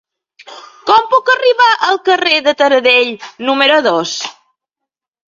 Com puc arribar al carrer de Taradell número dos?